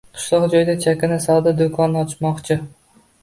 Qishloq joyda chakana savdo doʻkoni ochmoqchi